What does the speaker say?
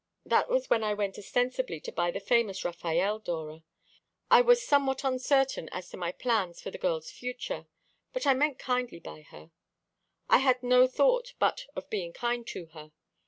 That was when I went ostensibly to buy the famous Raffaelle, Dora. I was somewhat uncertain as to my plans for the girl's future; but I meant kindly by her; I had no thought but of being kind to her.